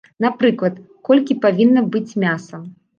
Напрыклад, колькі павінна быць мяса.